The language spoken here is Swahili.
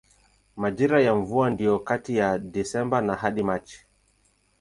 Majira ya mvua ndiyo kati ya Desemba hadi Machi.